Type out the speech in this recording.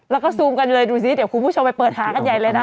แล้วก็ซูมกันเลยดูสิเดี๋ยวคุณผู้ชมไปเปิดหากันใหญ่เลยนะ